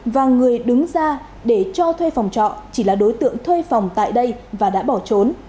và người đứng ra để cho thuê phòng trọ chỉ là đối tượng thuê phòng tại đây và đã bỏ trốn